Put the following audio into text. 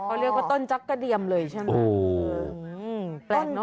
เขาเรียกว่าต้นจักรเดียมเลยใช่ไหม